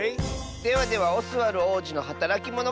ではでは「オスワルおうじのはたらきモノ」